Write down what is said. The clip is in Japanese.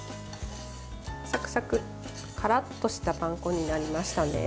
サクサク、カラッとしたパン粉になりましたね。